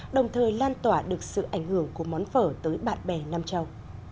đồng thời lan tỏa được sự ảnh hưởng của món phở tới bạn bè nam châu